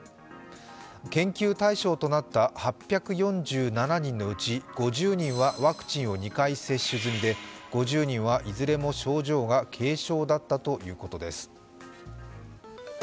研究対象となった８４７人のうち５０人はワクチンを２回接種済みで５０人はいずれも症状が軽症だったということです。